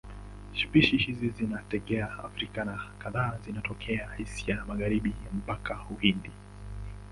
Spishi hizi zinatokea Afrika na kadhaa zinatokea Asia ya Magharibi mpaka Uhindi.